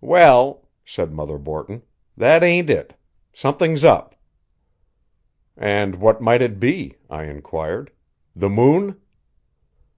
"Well," said Mother Borton, "that ain't it. Something's up." "And what might it be?" I inquired. "The moon?"